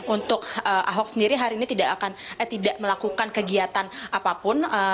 untuk ahok sendiri hari ini tidak melakukan kegiatan apapun